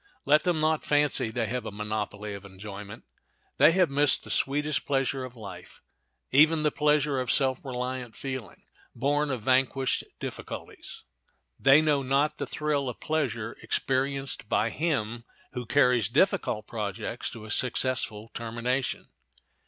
Let them not fancy they have a monopoly of enjoyment. They have missed the sweetest pleasure of life, even the pleasure of self reliant feeling, born of vanquished difficulties. They know not the thrill of pleasure experienced by him who carries difficult projects to a successful termination.